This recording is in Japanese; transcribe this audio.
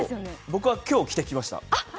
僕は今日着てきました。